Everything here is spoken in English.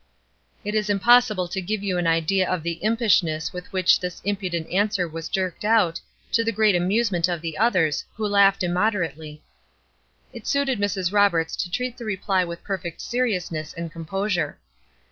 It is impossible to give you an idea of the impishness with which this impudent answer was jerked out, to the great amusement of the others, who laughed immoderately. It suited Mrs. Roberts to treat the reply with perfect seriousness and composure.